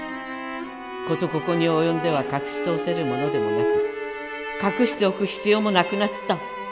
事ここに及んでは隠し通せるものでもなく隠しておく必要もなくなった。